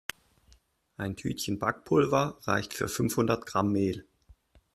Ein Tütchen Backpulver reicht für fünfhundert Gramm Mehl.